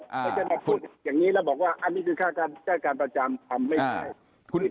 แล้วจะมาพูดอย่างนี้แล้วบอกว่าอันนี้คือค่ายการประจำทำไม่ได้